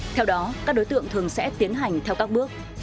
theo đó các đối tượng thường sẽ tiến hành theo các bước